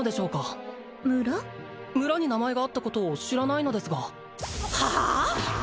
村に名前があったことを知らないのですがはあ！？